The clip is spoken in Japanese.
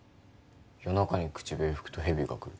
夜中に口笛吹くとヘビが来る